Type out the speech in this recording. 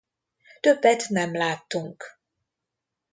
Többet nem láttunk.